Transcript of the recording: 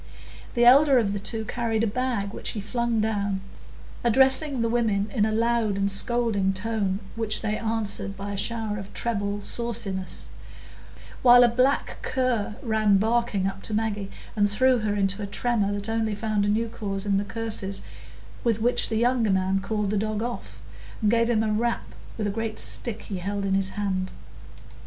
The elder of the two carried a bag, which he flung down, addressing the women in a loud and scolding tone, which they answered by a shower of treble sauciness; while a black cur ran barking up to Maggie, and threw her into a tremor that only found a new cause in the curses with which the younger man called the dog off, and gave him a rap with a great stick he held in his hand.